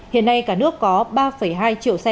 hiện nay cả nước có ba hai triệu xe